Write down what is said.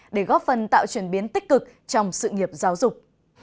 để góp phần tạo chuyển biến tích cực trong sự nghiệp giáo dục